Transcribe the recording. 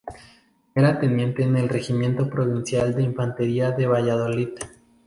Era teniente en el regimiento provincial de infantería de Valladolid.